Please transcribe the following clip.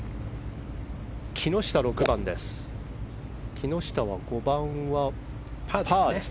木下、６番です。